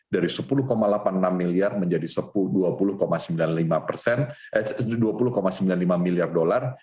dari rp sepuluh delapan puluh enam miliar menjadi rp dua puluh sembilan puluh lima miliar dolar